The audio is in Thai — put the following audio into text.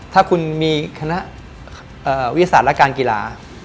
ถ้าคุณมีคณะวิทยาศาสตร์และการกีฬา